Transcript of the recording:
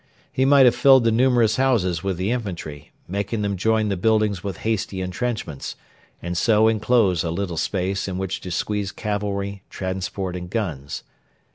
He might have filled the numerous houses with the infantry, making them join the buildings with hasty entrenchments, and so enclose a little space in which to squeeze cavalry, transport, and guns.